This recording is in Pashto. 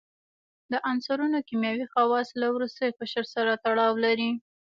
د عنصرونو کیمیاوي خواص له وروستي قشر سره تړاو لري.